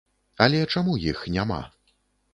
Але чаму іх няма?